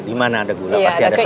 di mana ada gula pasti ada sayur